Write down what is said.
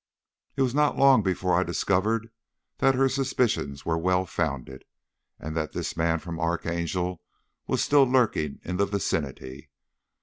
It was not long before I discovered that her suspicions were well founded, and that this man from Archangel was still lurking in the vicinity.